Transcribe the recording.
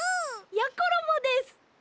やころもです！